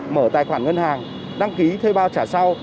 mở tài khoản ngân hàng đăng ký thuê bao trả sau